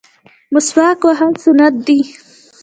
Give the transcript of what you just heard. مسواک وهل سنت دي